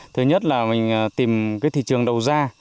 thứ nhất là mình tìm cái thị trường đầu ra